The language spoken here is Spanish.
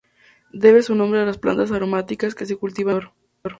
Debe su nombre a las plantas aromáticas que se cultivaban a su alrededor.